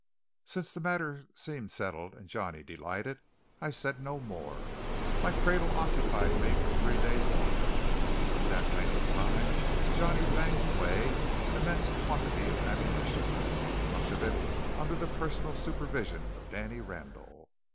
Since the matter seemed settled, and Johnny delighted, I said no more. My cradle occupied me for three days longer. In that length of time Johnny banged away an immense quantity of ammunition, much of it under the personal supervision of Danny Randall.